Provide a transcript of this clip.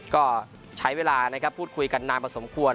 ก็ใช้เวลานะครับพูดคุยกันนานพอสมควร